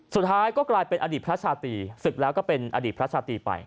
สุดท้ายก็กลายเป็นอดีตพระชาตรีศึกแล้วก็เป็นอดีตพระชาตรีไป